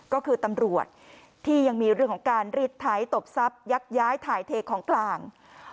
ก็คือตำรวจที่ยังมีเรื่องของการรีดไถตบทรัพยักย้ายถ่ายเทของกลาง